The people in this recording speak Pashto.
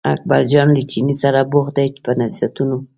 اکبرجان له چیني سره بوخت دی په نصیحتونو.